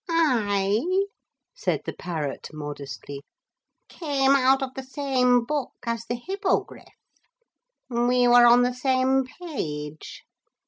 'I,' said the parrot modestly, 'came out of the same book as the Hippogriff. We were on the same page.